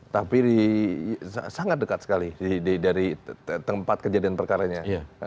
tapi sangat dekat sekali dari tempat kejadian perkara nya